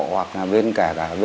hoặc là bên kẻ cả